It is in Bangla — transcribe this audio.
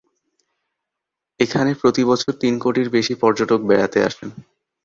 এখানে প্রতিবছর তিন কোটির বেশি পর্যটক বেড়াতে আসেন।